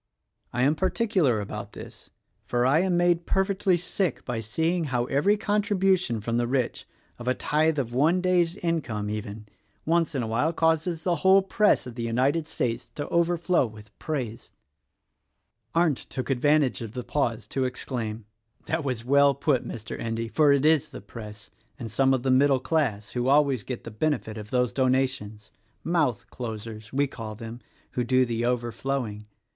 I am particular about this; for I am made per fectly sick by seeing how every contribution from the rich — of a tithe of one day's income, even — once in a while — causes the whole Press of the United States to overflow with praise." 54 THE RECORDING ANGEL Arndt took advantage of the pause to exclaim, "That was well put, Mr. Endy; for it is the Press, and some of the middle class, who always get the benefit of those donations — 'Mouth closers,' we call them — who do the overflowing.